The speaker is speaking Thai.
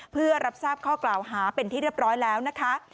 เพื่อรับทราบข้อกล่าวหาเป็นที่เรียบร้อยแล้วนะคะ